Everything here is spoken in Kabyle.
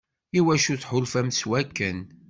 Iwacu tḥulfamt s wakken?